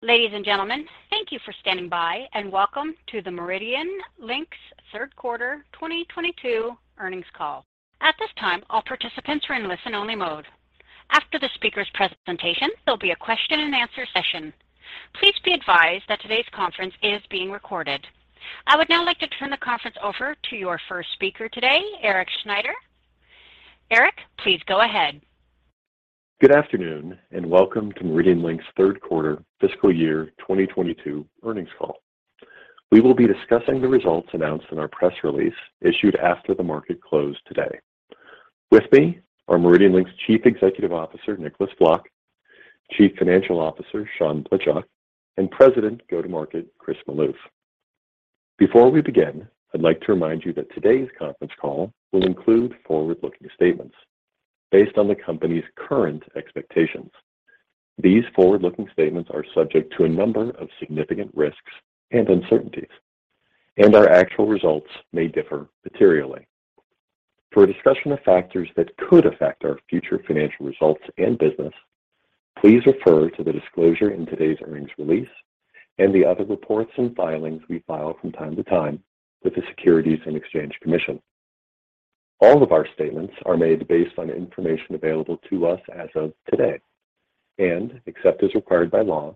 Ladies and gentlemen, thank you for standing by, and welcome to the MeridianLink's third quarter 2022 earnings call. At this time, all participants are in listen-only mode. After the speaker's presentation, there'll be a question and answer session. Please be advised that today's conference is being recorded. I would now like to turn the conference over to your first speaker today, Erik Schneider. Erik, please go ahead. Good afternoon and welcome to MeridianLink's third quarter fiscal year 2022 earnings call. We will be discussing the results announced in our press release issued after the market closed today. With me are MeridianLink's Chief Executive Officer, Nicolaas Vlok, Chief Financial Officer, Sean Blitchok, and President Go-to-Market, Chris Maloof. Before we begin, I'd like to remind you that today's conference call will include forward-looking statements based on the company's current expectations. These forward-looking statements are subject to a number of significant risks and uncertainties, and our actual results may differ materially. For a discussion of factors that could affect our future financial results and business, please refer to the disclosure in today's earnings release and the other reports and filings we file from time to time with the Securities and Exchange Commission. All of our statements are made based on information available to us as of today, and except as required by law,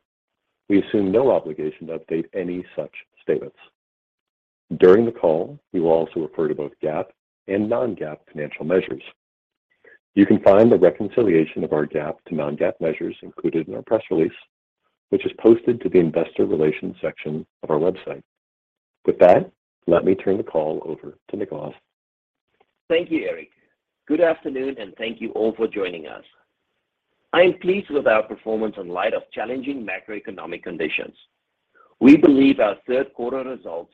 we assume no obligation to update any such statements. During the call, we will also refer to both GAAP and non-GAAP financial measures. You can find the reconciliation of our GAAP to non-GAAP measures included in our press release, which is posted to the investor relations section of our website. With that, let me turn the call over to Nicolaas. Thank you, Erik. Good afternoon, and thank you all for joining us. I am pleased with our performance in light of challenging macroeconomic conditions. We believe our third quarter results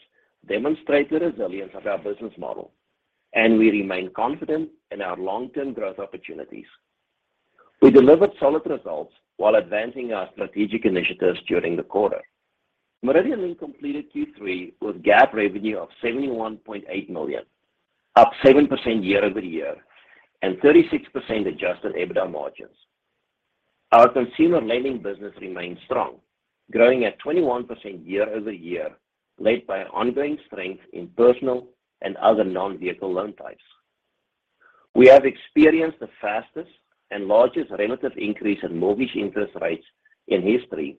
demonstrate the resilience of our business model, and we remain confident in our long-term growth opportunities. We delivered solid results while advancing our strategic initiatives during the quarter. MeridianLink completed Q3 with GAAP revenue of $71.8 million, up 7% year-over-year, and 36% adjusted EBITDA margins. Our consumer lending business remains strong, growing at 21% year-over-year, led by ongoing strength in personal and other non-vehicle loan types. We have experienced the fastest and largest relative increase in mortgage interest rates in history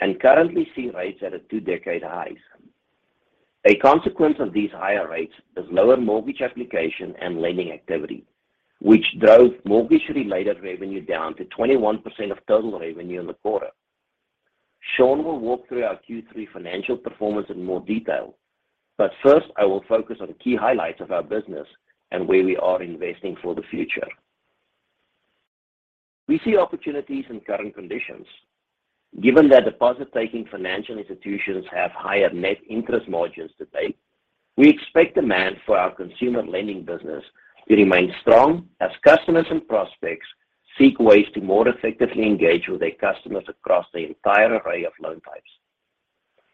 and currently see rates at a two-decade high. A consequence of these higher rates is lower mortgage application and lending activity, which drove mortgage-related revenue down to 21% of total revenue in the quarter. Sean will walk through our Q3 financial performance in more detail, but first, I will focus on key highlights of our business and where we are investing for the future. We see opportunities in current conditions. Given that deposit-taking financial institutions have higher net interest margins today, we expect demand for our consumer lending business to remain strong as customers and prospects seek ways to more effectively engage with their customers across the entire array of loan types.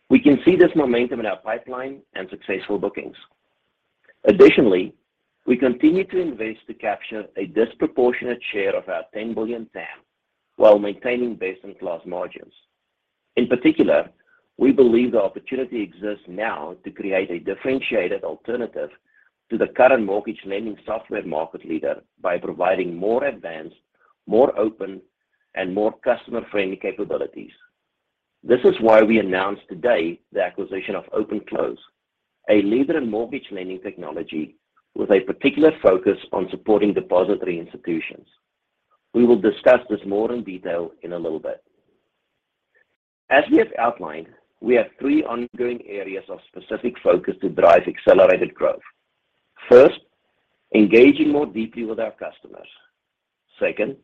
We can see this momentum in our pipeline and successful bookings. Additionally, we continue to invest to capture a disproportionate share of our $10 billion TAM while maintaining base and class margins. In particular, we believe the opportunity exists now to create a differentiated alternative to the current mortgage lending software market leader by providing more advanced, more open, and more customer-friendly capabilities. This is why we announced today the acquisition of OpenClose, a leader in mortgage lending technology with a particular focus on supporting depository institutions. We will discuss this more in detail in a little bit. As we have outlined, we have three ongoing areas of specific focus to drive accelerated growth. First, engaging more deeply with our customers. Second,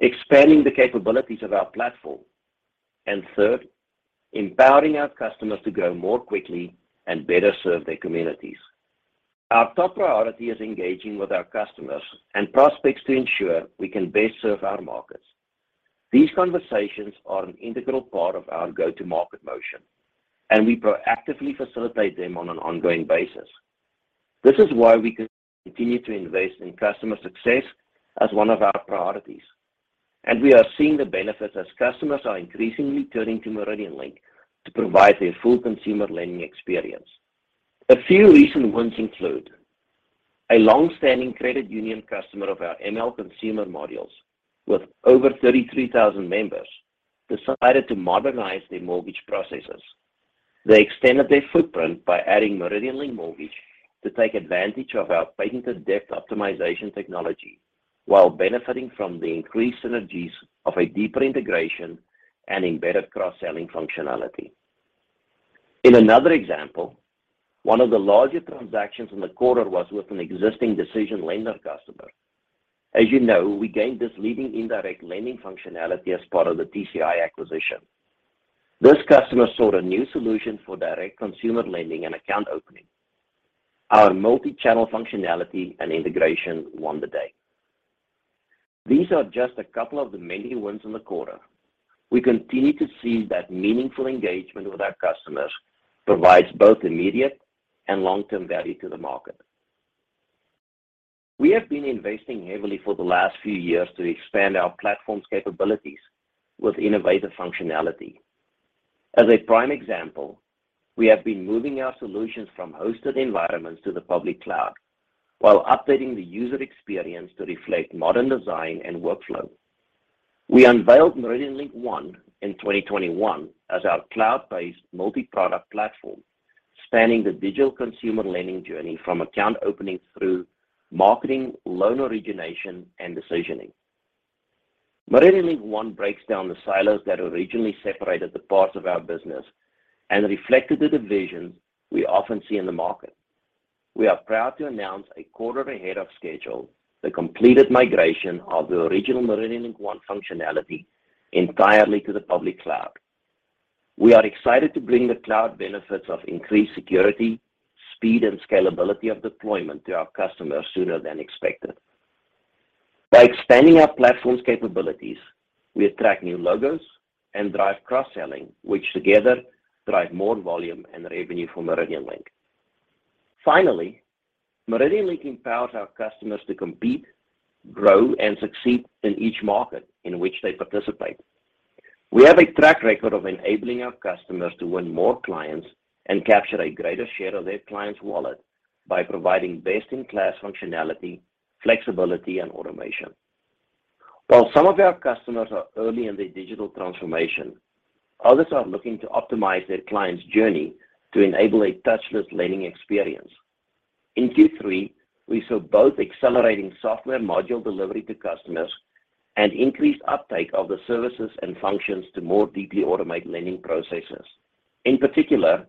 expanding the capabilities of our platform. Third, empowering our customers to grow more quickly and better serve their communities. Our top priority is engaging with our customers and prospects to ensure we can best serve our markets. These conversations are an integral part of our go-to-market motion, and we proactively facilitate them on an ongoing basis. This is why we continue to invest in customer success as one of our priorities, and we are seeing the benefits as customers are increasingly turning to MeridianLink to provide their full consumer lending experience. A few recent wins include a long-standing credit union customer of our ML consumer modules with over 33,000 members decided to modernize their mortgage processes. They extended their footprint by adding MeridianLink Mortgage to take advantage of our patented debt optimization technology while benefiting from the increased synergies of a deeper integration and embedded cross-selling functionality. In another example, one of the larger transactions in the quarter was with an existing DecisionLender customer. As you know, we gained this leading indirect lending functionality as part of the TCI acquisition. This customer sought a new solution for direct consumer lending and account opening. Our multi-channel functionality and integration won the day. These are just a couple of the many wins in the quarter. We continue to see that meaningful engagement with our customers provides both immediate and long-term value to the market. We have been investing heavily for the last few years to expand our platform's capabilities with innovative functionality. As a prime example, we have been moving our solutions from hosted environments to the public cloud while updating the user experience to reflect modern design and workflow. We unveiled MeridianLink One in 2021 as our cloud-based multi-product platform spanning the digital consumer lending journey from account opening through marketing, loan origination and decisioning. MeridianLink One breaks down the silos that originally separated the parts of our business and reflected the divisions we often see in the market. We are proud to announce a quarter ahead of schedule the completed migration of the original MeridianLink One functionality entirely to the public cloud. We are excited to bring the cloud benefits of increased security, speed and scalability of deployment to our customers sooner than expected. By expanding our platform's capabilities, we attract new logos and drive cross-selling, which together drive more volume and revenue for MeridianLink. Finally, MeridianLink empowers our customers to compete, grow and succeed in each market in which they participate. We have a track record of enabling our customers to win more clients and capture a greater share of their clients' wallet by providing best in class functionality, flexibility and automation. While some of our customers are early in their digital transformation, others are looking to optimize their clients' journey to enable a touch-less lending experience. In Q3, we saw both accelerating software module delivery to customers and increased uptake of the services and functions to more deeply automate lending processes. In particular,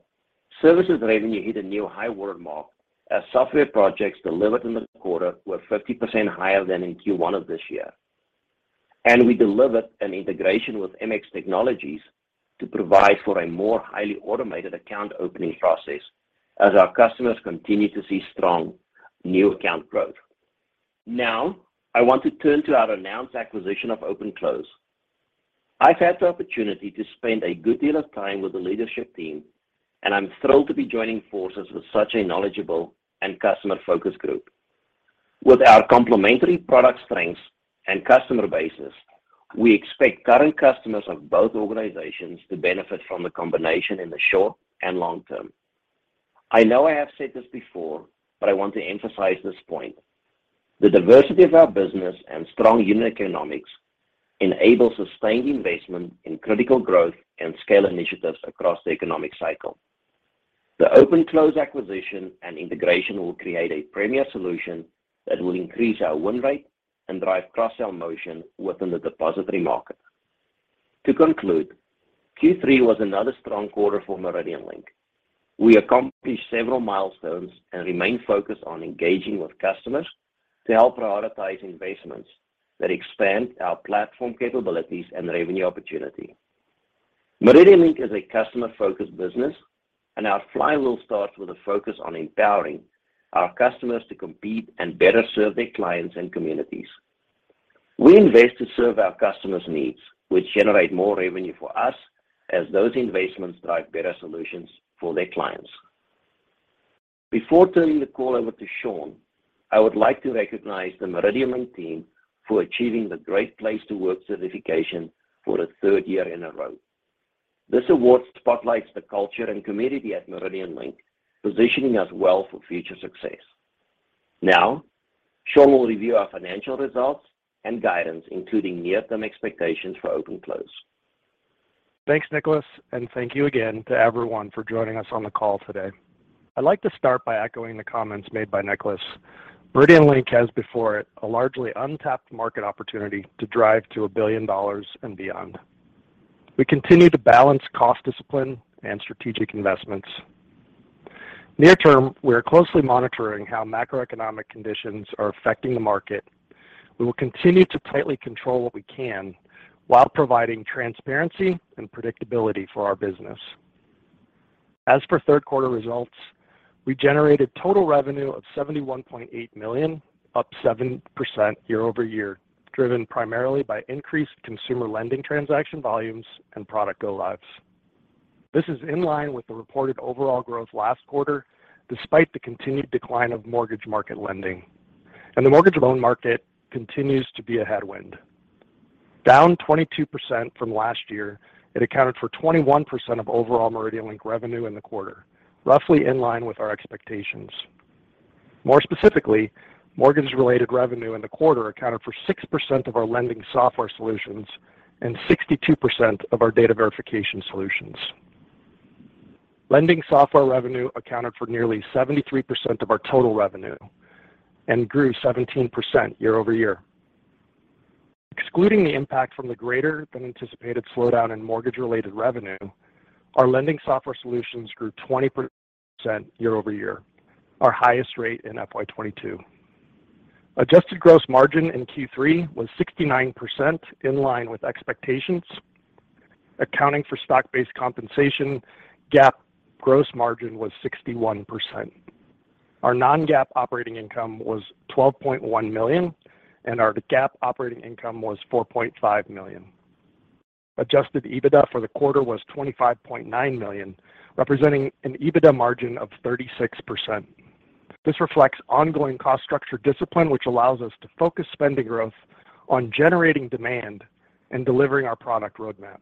services revenue hit a new high watermark as software projects delivered in the quarter were 50% higher than in Q1 of this year. We delivered an integration with MX Technologies to provide for a more highly automated account opening process as our customers continue to see strong new account growth. Now I want to turn to our announced acquisition of OpenClose. I've had the opportunity to spend a good deal of time with the leadership team, and I'm thrilled to be joining forces with such a knowledgeable and customer-focused group. With our complementary product strengths and customer bases, we expect current customers of both organizations to benefit from the combination in the short and long term. I know I have said this before, but I want to emphasize this point. The diversity of our business and strong unit economics enable sustained investment in critical growth and scale initiatives across the economic cycle. The OpenClose acquisition and integration will create a premier solution that will increase our win rate and drive cross-sell motion within the depository market. To conclude, Q3 was another strong quarter for MeridianLink. We accomplished several milestones and remain focused on engaging with customers to help prioritize investments that expand our platform capabilities and revenue opportunity. MeridianLink is a customer-focused business, and our flywheel starts with a focus on empowering our customers to compete and better serve their clients and communities. We invest to serve our customers' needs, which generate more revenue for us as those investments drive better solutions for their clients. Before turning the call over to Sean, I would like to recognize the MeridianLink team for achieving the Great Place to Work certification for the third year in a row. This award spotlights the culture and community at MeridianLink, positioning us well for future success. Now Sean will review our financial results and guidance, including near-term expectations for OpenClose. Thanks, Nicolaas, and thank you again to everyone for joining us on the call today. I'd like to start by echoing the comments made by Nicolaas. MeridianLink has before it a largely untapped market opportunity to drive to a billion dollars and beyond. We continue to balance cost discipline and strategic investments. Near term, we are closely monitoring how macroeconomic conditions are affecting the market. We will continue to tightly control what we can while providing transparency and predictability for our business. As for third quarter results, we generated total revenue of $71.8 million, up 7% year-over-year, driven primarily by increased consumer lending transaction volumes and product go lives. This is in line with the reported overall growth last quarter despite the continued decline of mortgage market lending. The mortgage loan market continues to be a headwind. Down 22% from last year, it accounted for 21% of overall MeridianLink revenue in the quarter, roughly in line with our expectations. More specifically, mortgage-related revenue in the quarter accounted for 6% of our lending software solutions and 62% of our data verification solutions. Lending software revenue accounted for nearly 73% of our total revenue and grew 17% year-over-year. Excluding the impact from the greater than anticipated slowdown in mortgage-related revenue, our lending software solutions grew 20% year-over-year, our highest rate in FY 2022. Adjusted gross margin in Q3 was 69% in line with expectations. Accounting for stock-based compensation, GAAP gross margin was 61%. Our non-GAAP operating income was $12.1 million, and our GAAP operating income was $4.5 million. Adjusted EBITDA for the quarter was $25.9 million, representing an EBITDA margin of 36%. This reflects ongoing cost structure discipline, which allows us to focus spending growth on generating demand and delivering our product roadmap.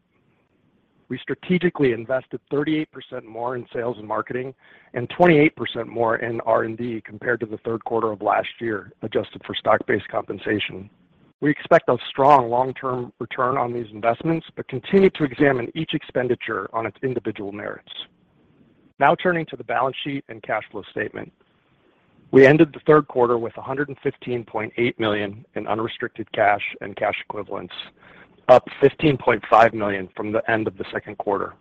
We strategically invested 38% more in sales and marketing and 28% more in R&D compared to the third quarter of last year, adjusted for stock-based compensation. We expect a strong long-term return on these investments, but continue to examine each expenditure on its individual merits. Now turning to the balance sheet and cash flow statement. We ended the third quarter with $115.8 million in unrestricted cash and cash equivalents, up $15.5 million from the end of the second quarter.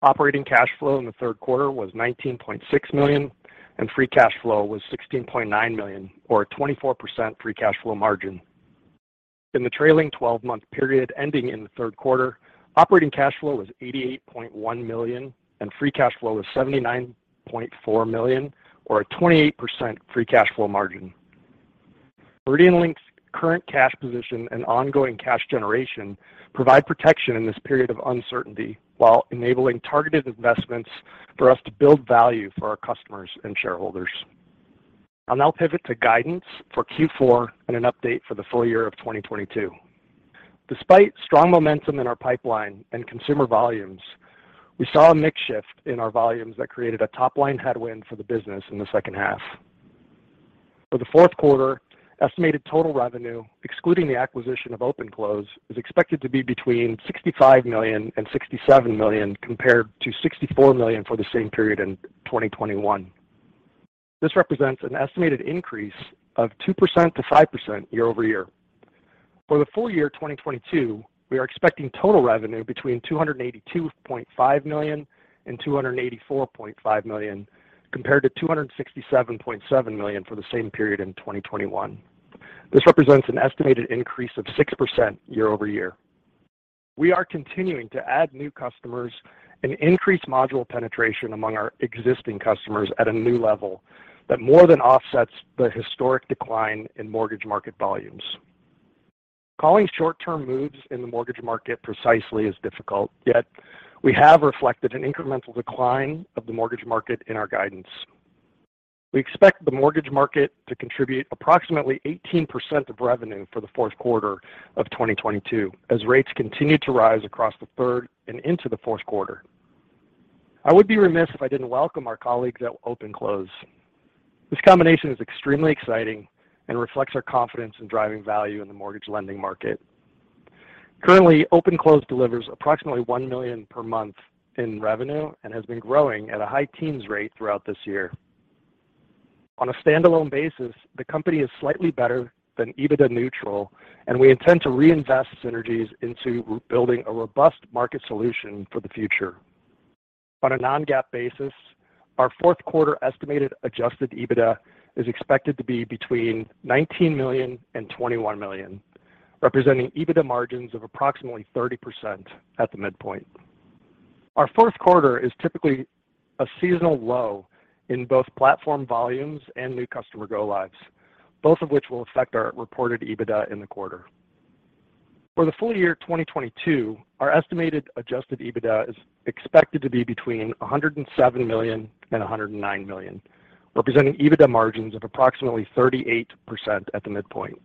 Operating cash flow in the third quarter was $19.6 million, and free cash flow was $16.9 million, or a 24% free cash flow margin. In the trailing twelve-month period ending in the third quarter, operating cash flow was $88.1 million and free cash flow was $79.4 million, or a 28% free cash flow margin. MeridianLink's current cash position and ongoing cash generation provide protection in this period of uncertainty while enabling targeted investments for us to build value for our customers and shareholders. I'll now pivot to guidance for Q4 and an update for the full year of 2022. Despite strong momentum in our pipeline and consumer volumes, we saw a mix shift in our volumes that created a top-line headwind for the business in the second half. For the fourth quarter, estimated total revenue, excluding the acquisition of OpenClose, is expected to be between $65 million and $67 million, compared to $64 million for the same period in 2021. This represents an estimated increase of 2% to 5% year-over-year. For the full year 2022, we are expecting total revenue between $282.5 million and $284.5 million, compared to $267.7 million for the same period in 2021. This represents an estimated increase of 6% year-over-year. We are continuing to add new customers and increase module penetration among our existing customers at a new level that more than offsets the historic decline in mortgage market volumes. Calling short-term moves in the mortgage market precisely is difficult, yet we have reflected an incremental decline of the mortgage market in our guidance. We expect the mortgage market to contribute approximately 18% of revenue for the fourth quarter of 2022 as rates continue to rise across the third and into the fourth quarter. I would be remiss if I didn't welcome our colleagues at OpenClose. This combination is extremely exciting and reflects our confidence in driving value in the mortgage lending market. Currently, OpenClose delivers approximately $1 million per month in revenue and has been growing at a high teens rate throughout this year. On a standalone basis, the company is slightly better than EBITDA neutral, and we intend to reinvest synergies into building a robust market solution for the future. On a non-GAAP basis, our fourth quarter estimated adjusted EBITDA is expected to be between $19 million and $21 million, representing EBITDA margins of approximately 30% at the midpoint. Our fourth quarter is typically a seasonal low in both platform volumes and new customer go lives, both of which will affect our reported EBITDA in the quarter. For the full year 2022, our estimated adjusted EBITDA is expected to be between $107 million and $109 million, representing EBITDA margins of approximately 38% at the midpoint.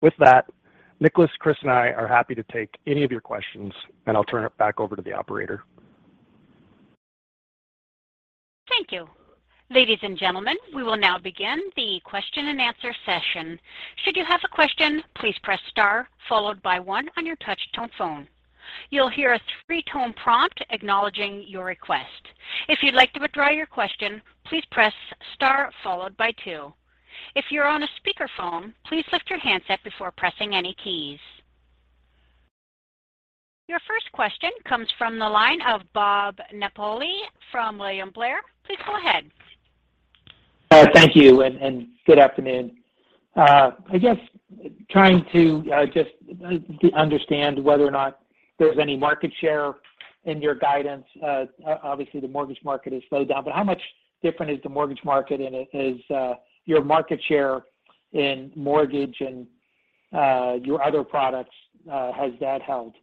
With that, Nicolaas, Chris, and I are happy to take any of your questions, and I'll turn it back over to the operator. Thank you. Ladies and gentlemen, we will now begin the question and answer session. Should you have a question, please press star followed by 1 on your touch tone phone. You'll hear a 3-tone prompt acknowledging your request. If you'd like to withdraw your question, please press star followed by 2. If you're on a speakerphone, please lift your handset before pressing any keys. Your first question comes from the line of Bob Napoli from William Blair. Please go ahead. Thank you, good afternoon. I guess trying to just understand whether or not there's any market share in your guidance. Obviously, the mortgage market has slowed down, but how much different is the mortgage market, and is your market share in mortgage and your other products has that held?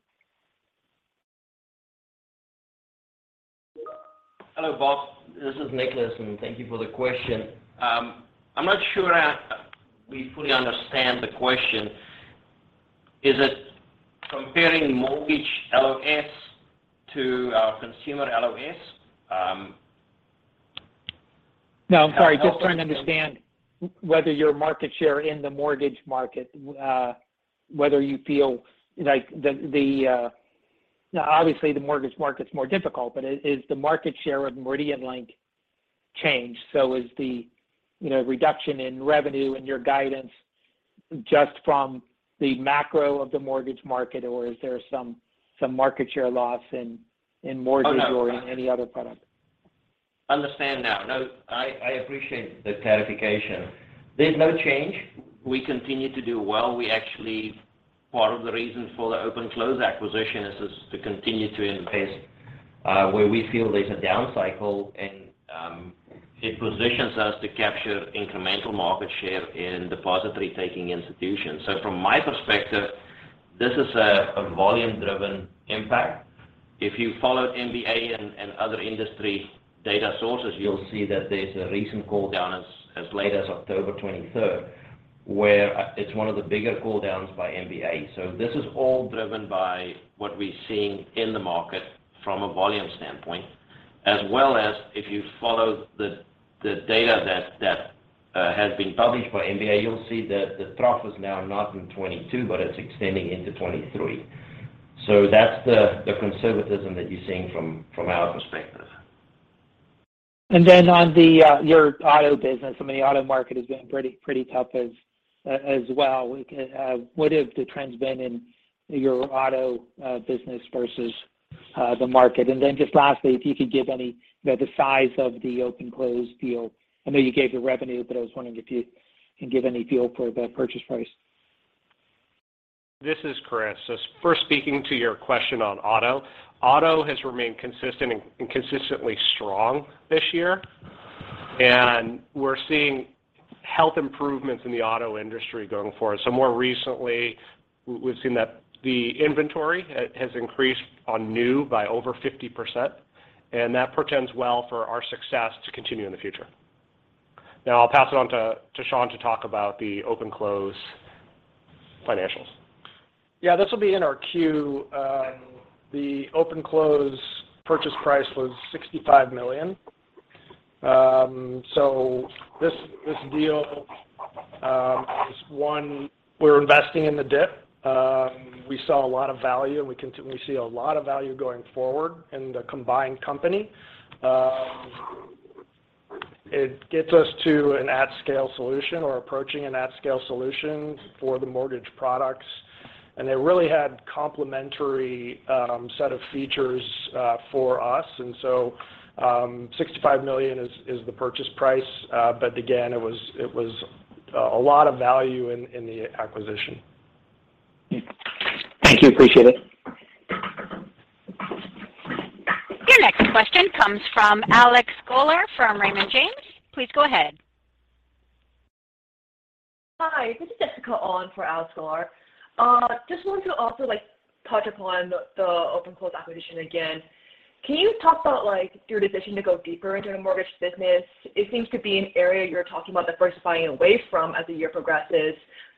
Hello, Bob. This is Nicolaas, and thank you for the question. I'm not sure we fully understand the question. Is it comparing mortgage LOS to our consumer LOS? No, I'm sorry. Just trying to understand whether your market share in the mortgage market. Obviously, the mortgage market's more difficult, but is the market share of MeridianLink changed? Is the you know, reduction in revenue and your guidance just from the macro of the mortgage market, or is there some market share loss in mortgage- Oh, no. In any other product? understand now. No, I appreciate the clarification. There's no change. We continue to do well. We actually. Part of the reason for the OpenClose acquisition is just to continue to invest, where we feel there's a down cycle and It positions us to capture incremental market share in depository taking institutions. From my perspective, this is a volume-driven impact. If you followed MBA and other industry data sources, you'll see that there's a recent call down as late as October 23rd, where it's one of the bigger call downs by MBA. This is all driven by what we're seeing in the market from a volume standpoint, as well as if you follow the data that has been published by MBA. You'll see that the trough is now not in 2022, but it's extending into 2023. That's the conservatism that you're seeing from our perspective. Then on your auto business, I mean, the auto market has been pretty tough as well. What have the trends been in your auto business versus the market? Just lastly, if you could give any, you know, the size of the OpenClose deal. I know you gave the revenue, but I was wondering if you can give any feel for the purchase price. This is Chris. First, speaking to your question on auto. Auto has remained consistent and consistently strong this year. We're seeing health improvements in the auto industry going forward. More recently we've seen that the inventory has increased on new by over 50%, and that portends well for our success to continue in the future. Now, I'll pass it on to Sean to talk about the OpenClose financials. Yeah, this will be in our queue. The OpenClose purchase price was $65 million. This deal is one we're investing in the dip. We saw a lot of value. We see a lot of value going forward in the combined company. It gets us to an at-scale solution or approaching an at-scale solution for the mortgage products. They really had complementary set of features for us. $65 million is the purchase price. But again, it was a lot of value in the acquisition. Thank you. Appreciate it. Your next question comes from Alexander Sklar from Raymond James. Please go ahead. Hi, this is Jessica on for Alexander Sklar. Just wanted to also like touch upon the OpenClose acquisition again. Can you talk about like your decision to go deeper into the mortgage business? It seems to be an area you're talking about diversifying away from as the year progresses.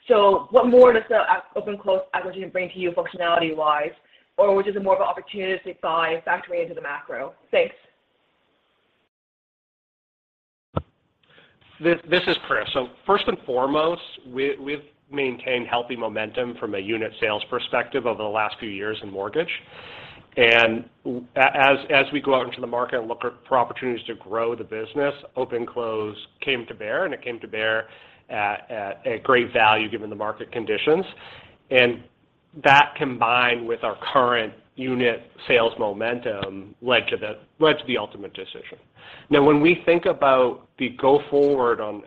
What more does the OpenClose acquisition bring to you functionality wise? Or which is it more of an opportunity to buy back into the macro? Thanks. This is Chris. First and foremost, we've maintained healthy momentum from a unit sales perspective over the last few years in mortgage. As we go out into the market and look for opportunities to grow the business, OpenClose came to bear at great value given the market conditions. That combined with our current unit sales momentum led to the ultimate decision. Now when we think about the go-forward and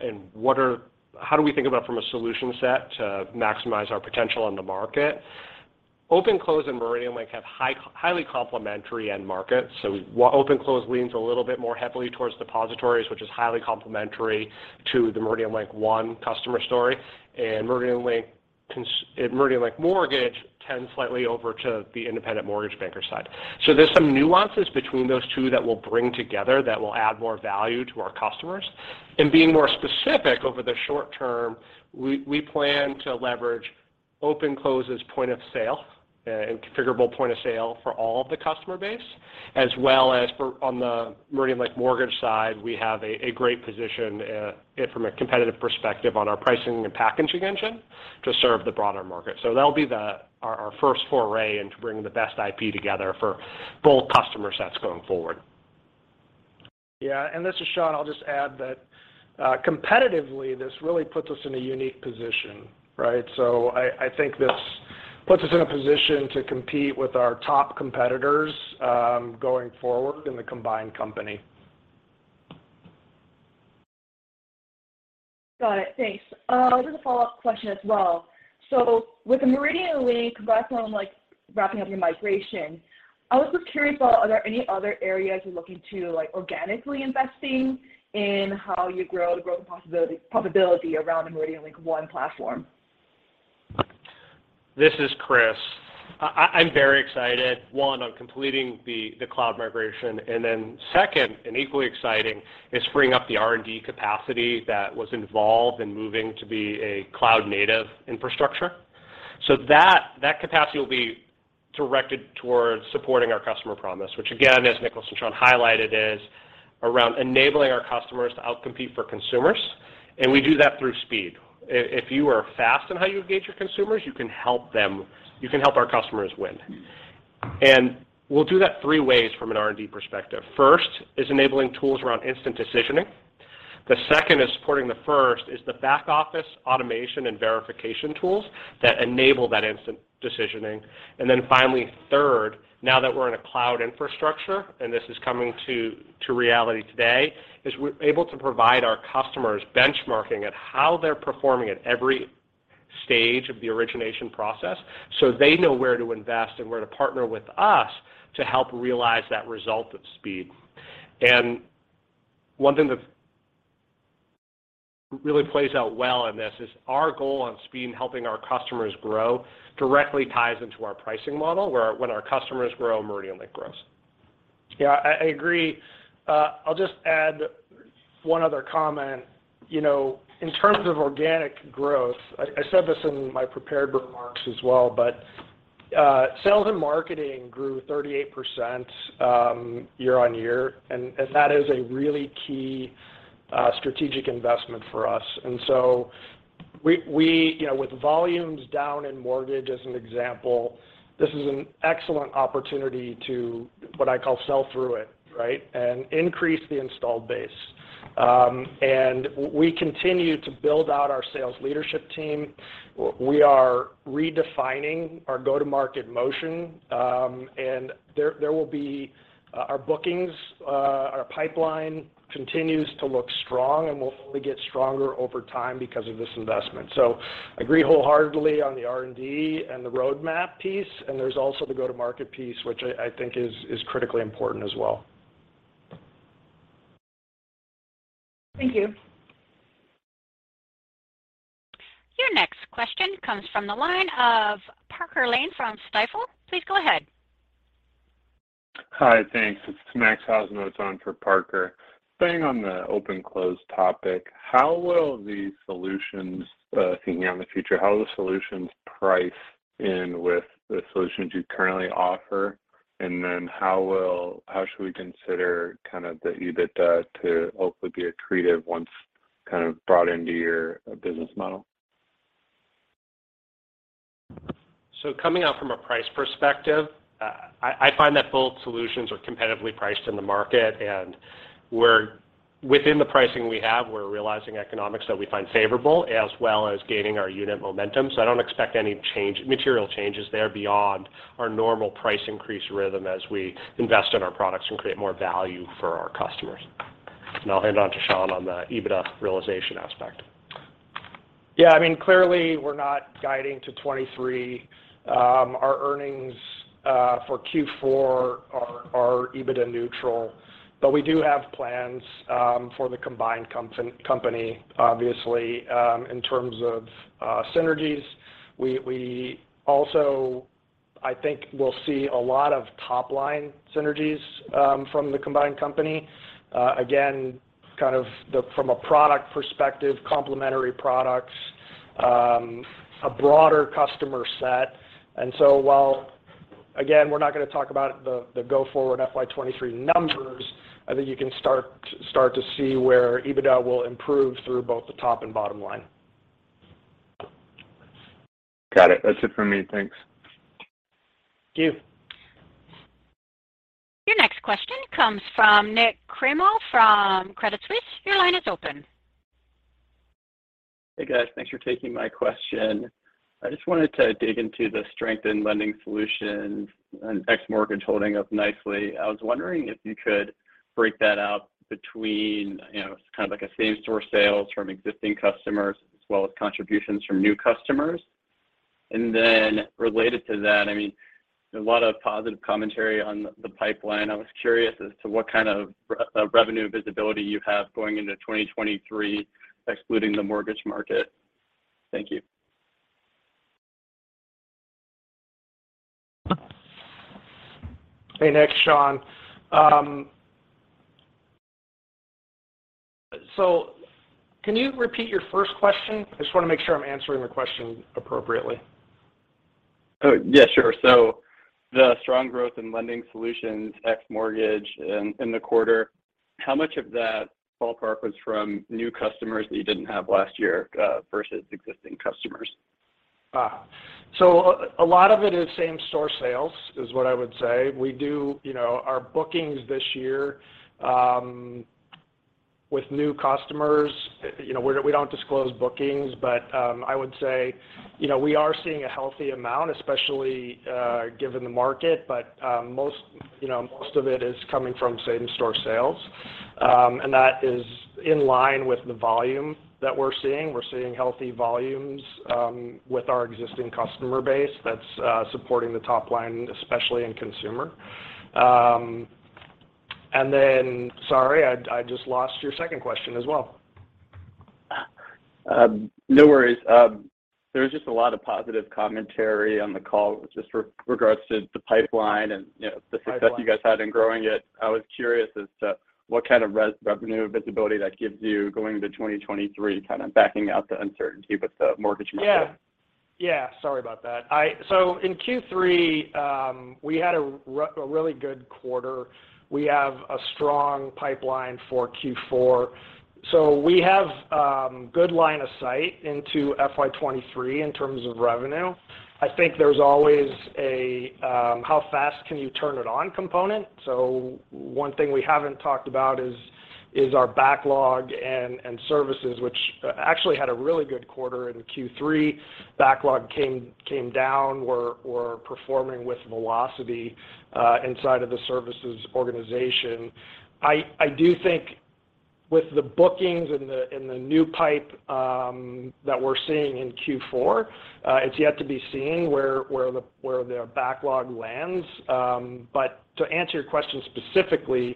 how do we think about from a solution set to maximize our potential in the market. OpenClose and MeridianLink have highly complementary end markets. OpenClose leans a little bit more heavily towards depositories, which is highly complementary to the MeridianLink One customer story. MeridianLink Mortgage tends slightly over to the independent mortgage banker side. There's some nuances between those two that we'll bring together that will add more value to our customers. Being more specific, over the short term, we plan to leverage OpenClose's point of sale and configurable point of sale for all of the customer base, as well as for on the MeridianLink Mortgage side, we have a great position from a competitive perspective on our pricing and packaging engine to serve the broader market. That'll be our first foray into bringing the best IP together for both customer sets going forward. Yeah, this is Sean. I'll just add that, competitively, this really puts us in a unique position, right? I think this puts us in a position to compete with our top competitors, going forward in the combined company. Got it. Thanks. Just a follow-up question as well. With the MeridianLink, that's when I'm like wrapping up your migration. I was just curious about are there any other areas you're looking to like organically investing in how you grow the growth probability around the MeridianLink One platform? This is Chris. I'm very excited, one, on completing the cloud migration. Second, and equally exciting, is freeing up the R&D capacity that was involved in moving to be a cloud-native infrastructure. That capacity will be directed towards supporting our customer promise, which again, as Nicolaas and Sean highlighted, is around enabling our customers to out-compete for consumers. We do that through speed. If you are fast in how you engage your consumers, you can help our customers win. We'll do that three ways from an R&D perspective. First is enabling tools around instant decisioning. The second is supporting back office automation and verification tools that enable that instant decisioning. Then finally, third, now that we're in a cloud infrastructure, and this is coming to reality today, is we're able to provide our customers bench-marking at how they're performing at every stage of the origination process. They know where to invest and where to partner with us to help realize that result of speed. One thing that really plays out well in this is our goal on speed and helping our customers grow directly ties into our pricing model, where when our customers grow, MeridianLink grows. Yeah, I agree. I'll just add one other comment. You know, in terms of organic growth, I said this in my prepared remarks as well, but sales and marketing grew 38% year-on-year. That is a really key strategic investment for us. We, you know, with volumes down in mortgage as an example, this is an excellent opportunity to what I call sell through it, right? Increase the installed base. We continue to build out our sales leadership team. We are redefining our go-to-market motion. There will be. Our bookings, our pipeline continues to look strong and will only get stronger over time because of this investment. Agree wholeheartedly on the R&D and the roadmap piece, and there's also the go-to-market piece, which I think is critically important as well. Thank you. Your next question comes from the line of Parker Lane from Stifel. Please go ahead. Hi. Thanks. It's Matthew Kikkert on for Parker. Staying on the OpenClose topic, how will the solutions price in with the solutions you currently offer? Then how should we consider kind of the EBITDA to hopefully be accretive once kind of brought into your business model? Coming out from a price perspective, I find that both solutions are competitively priced in the market. We're within the pricing we have, we're realizing economics that we find favorable as well as gaining our unit momentum. I don't expect any material changes there beyond our normal price increase rhythm as we invest in our products and create more value for our customers. I'll hand on to Sean on the EBITDA realization aspect. Yeah. I mean, clearly, we're not guiding to 2023. Our earnings for Q4 are EBITDA neutral. But we do have plans for the combined company, obviously, in terms of synergies. We also, I think, will see a lot of top line synergies from the combined company. Again, kind of from a product perspective, complementary products, a broader customer set. While, again, we're not gonna talk about the go-forward FY 2023 numbers, I think you can start to see where EBITDA will improve through both the top and bottom line. Got it. That's it for me. Thanks. Thank you. Your next question comes from Nik Cremo from Credit Suisse. Your line is open. Hey, guys. Thanks for taking my question. I just wanted to dig into the strength in lending solutions and ex mortgage holding up nicely. I was wondering if you could break that out between, you know, kind of like a same-store sales from existing customers as well as contributions from new customers. Then related to that, I mean, there's a lot of positive commentary on the pipeline. I was curious as to what kind of revenue visibility you have going into 2023 excluding the mortgage market. Thank you. Hey, Nik. Sean. Can you repeat your first question? I just wanna make sure I'm answering the question appropriately. Oh, yeah. Sure. The strong growth in lending solutions, ex mortgage in the quarter, how much of that ballpark was from new customers that you didn't have last year, versus existing customers? A lot of it is same-store sales is what I would say. We do, you know, our bookings this year with new customers, you know, we don't disclose bookings, but I would say, you know, we are seeing a healthy amount, especially given the market. Most, you know, most of it is coming from same-store sales. That is in line with the volume that we're seeing. We're seeing healthy volumes with our existing customer base that's supporting the top line, especially in consumer. Sorry, I just lost your second question as well. No worries. There was just a lot of positive commentary on the call just regards to the pipeline and, you know, the success you guys had in growing it. I was curious as to what kind of revenue visibility that gives you going into 2023, kind of backing out the uncertainty with the mortgage market. Yeah. Yeah. Sorry about that. In Q3, we had a really good quarter. We have a strong pipeline for Q4. We have good line of sight into FY 2023 in terms of revenue. I think there's always a how fast can you turn it on component. One thing we haven't talked about is our backlog and services, which actually had a really good quarter in Q3. Backlog came down. We're performing with velocity inside of the services organization. I do think with the bookings and the new pipeline that we're seeing in Q4, it's yet to be seen where the backlog lands. To answer your question specifically,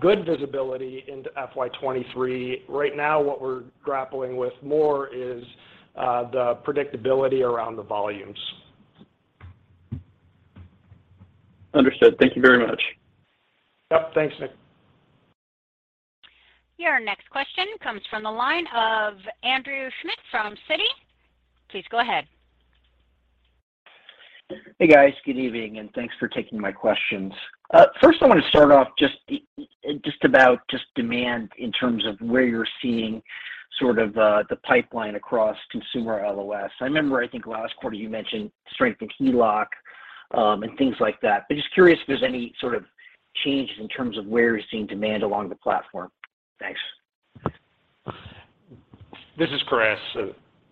good visibility into FY 2023. Right now what we're grappling with more is the predictability around the volumes. Understood. Thank you very much. Yep. Thanks, Nik. Your next question comes from the line of Andrew Schmidt from Citi. Please go ahead. Hey, guys. Good evening, and thanks for taking my questions. First I want to start off just about demand in terms of where you're seeing sort of the pipeline across consumer LOS. I remember, I think last quarter you mentioned strength in HELOC, and things like that. Just curious if there's any sort of change in terms of where you're seeing demand along the platform. Thanks. This is Chris.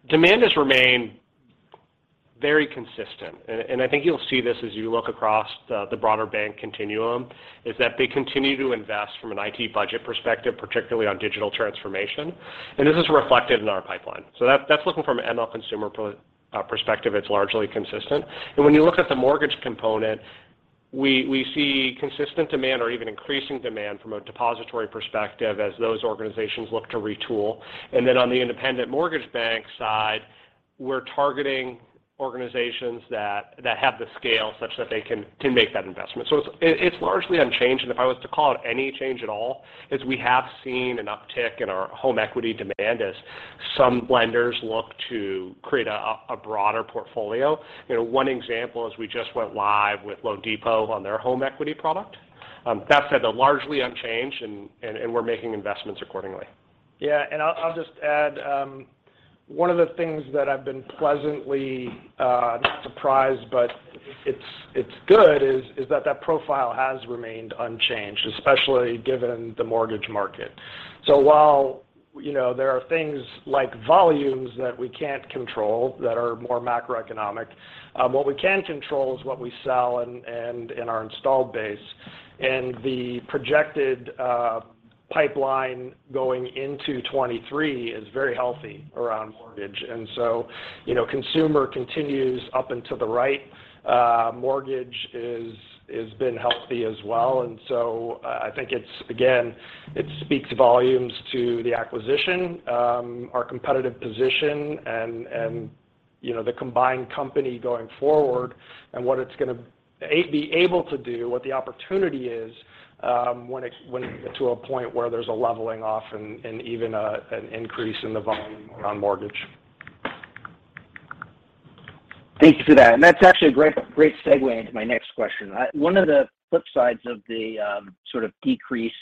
Demand has remained very consistent. I think you'll see this as you look across the broader bank continuum, is that they continue to invest from an IT budget perspective, particularly on digital transformation. This is reflected in our pipeline. That's looking from a MeridianLink Consumer perspective, it's largely consistent. When you look at the mortgage component, we see consistent demand or even increasing demand from a depository perspective as those organizations look to retool. On the independent mortgage bank side, we're targeting organizations that have the scale such that they can make that investment. It's largely unchanged. If I was to call out any change at all, is we have seen an uptick in our home equity demand as some lenders look to create a broader portfolio. You know, one example is we just went live with loanDepot on their home equity product. That said, they're largely unchanged and we're making investments accordingly. Yeah. I'll just add one of the things that I've been pleasantly not surprised, but it's good is that that profile has remained unchanged, especially given the mortgage market. While, you know, there are things like volumes that we can't control that are more macroeconomic, what we can control is what we sell and in our installed base. The projected pipeline going into 2023 is very healthy around mortgage. You know, consumer continues up and to the right. Mortgage is, has been healthy as well. I think it's, again, it speaks volumes to the acquisition, our competitive position and, you know, the combined company going forward and what it's gonna be able to do, what the opportunity is, when it's to a point where there's a leveling off and even an increase in the volume around mortgage. Thank you for that. That's actually a great segue into my next question. One of the flip sides of the sort of decrease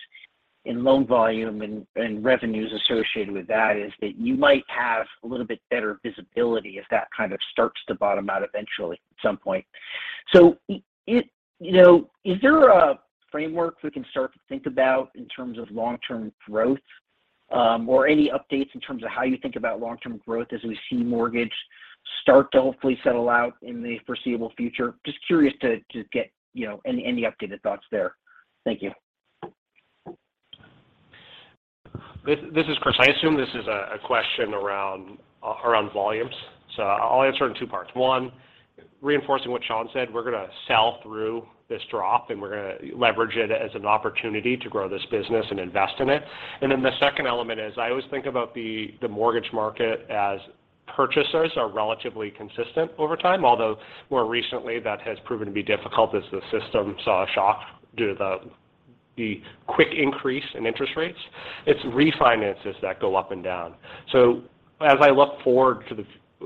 in loan volume and revenues associated with that is that you might have a little bit better visibility if that kind of starts to bottom out eventually at some point. You know, is there a framework we can start to think about in terms of long-term growth or any updates in terms of how you think about long-term growth as we see mortgage start to hopefully settle out in the foreseeable future? Just curious to get you know, any updated thoughts there. Thank you. This is Chris. I assume this is a question around volumes. I'll answer in two parts. One, reinforcing what Sean said, we're gonna sell through this drop, and we're gonna leverage it as an opportunity to grow this business and invest in it. The second element is I always think about the mortgage market as purchasers are relatively consistent over time, although more recently that has proven to be difficult as the system saw a shock due to the quick increase in interest rates. It's refinances that go up and down.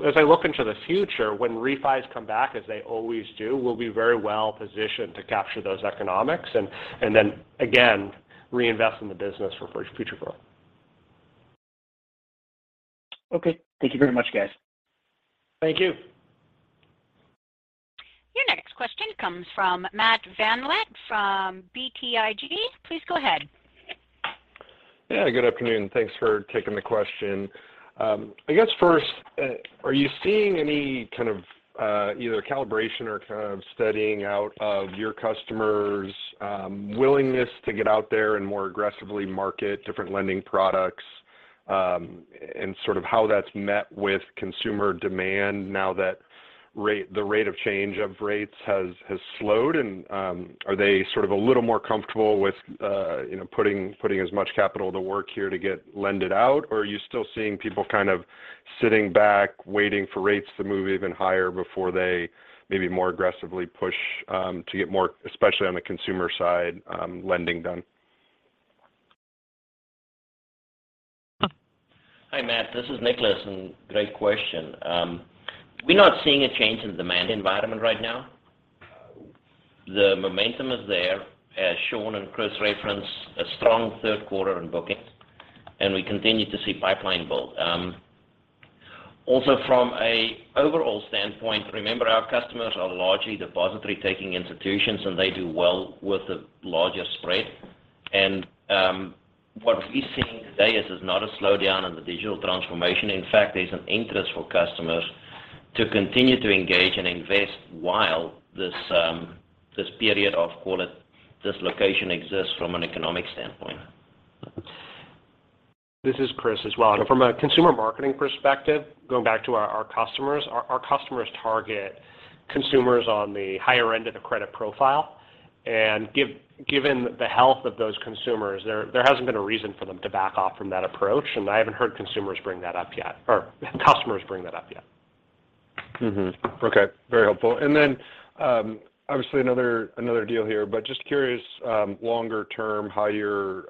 As I look into the future, when refis come back as they always do, we'll be very well positioned to capture those economics and then again, reinvest in the business for future growth. Okay. Thank you very much, guys. Thank you. Your next question comes from Matt VanVleet from BTIG. Please go ahead. Yeah, good afternoon. Thanks for taking the question. I guess first, are you seeing any kind of either calibration or kind of steadying out of your customers' willingness to get out there and more aggressively market different lending products, and sort of how that's met with consumer demand now that the rate of change of rates has slowed? Are they sort of a little more comfortable with you know, putting as much capital to work here to get lent out? Or are you still seeing people kind of sitting back, waiting for rates to move even higher before they maybe more aggressively push to get more, especially on the consumer side, lending done? Hi, Matt VanVleet. This is Nicolaas Vlok, and great question. We're not seeing a change in demand environment right now. The momentum is there, as Sean Blitchok and Chris Maloof referenced, a strong third quarter in bookings, and we continue to see pipeline build. Also from an overall standpoint, remember our customers are largely deposit-taking institutions, and they do well with the larger spread. What we're seeing today is not a slowdown in the digital transformation. In fact, there's an interest for customers to continue to engage and invest while this period of, call it, dislocation exists from an economic standpoint. This is Chris as well. From a consumer marketing perspective, going back to our customers, our customers target consumers on the higher end of the credit profile. Given the health of those consumers, there hasn't been a reason for them to back off from that approach, and I haven't heard consumers bring that up yet or customers bring that up yet. Mm-hmm. Okay. Very helpful. Obviously another deal here, but just curious, longer term, how you're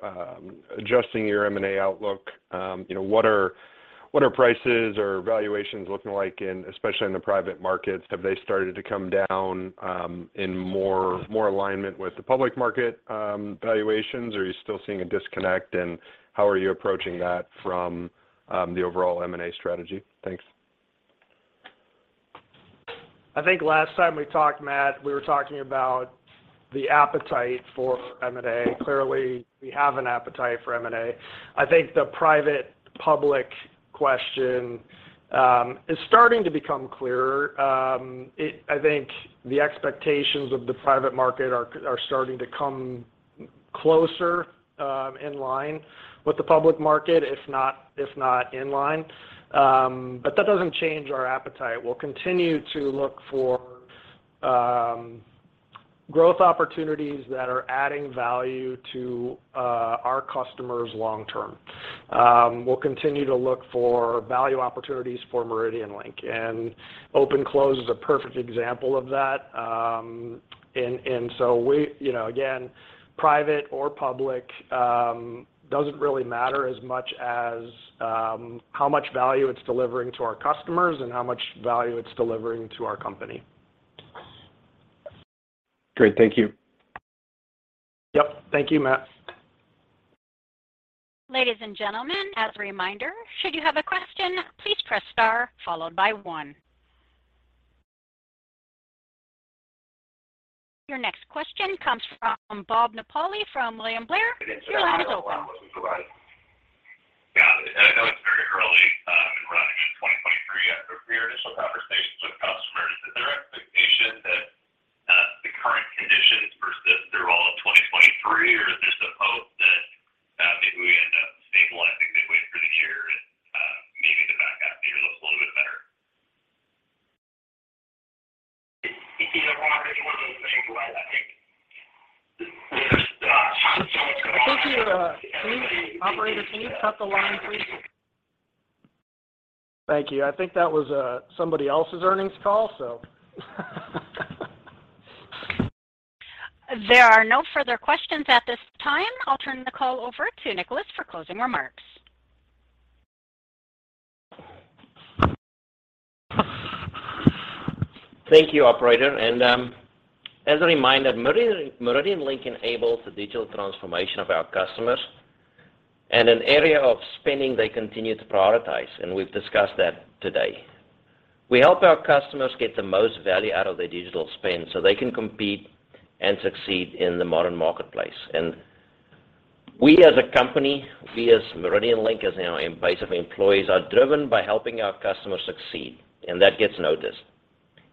adjusting your M&A outlook. You know, what are prices or valuations looking like in, especially in the private markets? Have they started to come down, in more alignment with the public market valuations? Are you still seeing a disconnect? How are you approaching that from the overall M&A strategy? Thanks. I think last time we talked, Matt, we were talking about the appetite for M&A. Clearly, we have an appetite for M&A. I think the private-public question is starting to become clearer. I think the expectations of the private market are starting to come closer in line with the public market, if not in line. That doesn't change our appetite. We'll continue to look for growth opportunities that are adding value to our customers long term. We'll continue to look for value opportunities for MeridianLink. OpenClose is a perfect example of that. You know, again, private or public doesn't really matter as much as how much value it's delivering to our customers and how much value it's delivering to our company. Great. Thank you. Yep. Thank you, Matt. Ladies and gentlemen, as a reminder, should you have a question, please press star followed by one. Your next question comes from Bob Napoli from William Blair. Your line is open. Yeah. I know it's very early in 2023. After your initial conversations with customers, is there expectation that the current conditions persist through all of 2023? Or is there some hope that maybe we end up stabilizing midway through the year and maybe the back half of the year looks a little bit better? I think you. Please, operator, can you cut the line, please? Thank you. I think that was somebody else's earnings call, so. There are no further questions at this time. I'll turn the call over to Nicolaas for closing remarks. Thank you, operator. As a reminder, MeridianLink enables the digital transformation of our customers and an area of spending they continue to prioritize, and we've discussed that today. We help our customers get the most value out of their digital spend, so they can compete and succeed in the modern marketplace. We as a company, MeridianLink, you know, a base of employees, are driven by helping our customers succeed, and that gets noticed.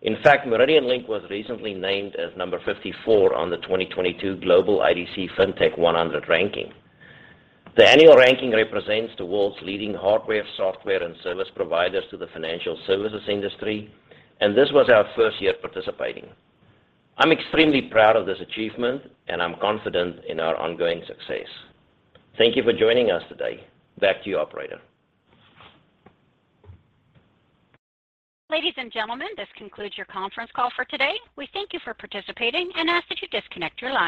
In fact, MeridianLink was recently named as number 54 on the 2022 global IDC FinTech Rankings. The annual ranking represents the world's leading hardware, software, and service providers to the financial services industry, and this was our first year participating. I'm extremely proud of this achievement, and I'm confident in our ongoing success. Thank you for joining us today. Back to you, operator. Ladies and gentlemen, this concludes your conference call for today. We thank you for participating and ask that you disconnect your lines.